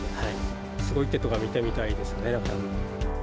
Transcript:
すごい手とか見てみたいですね、六冠の。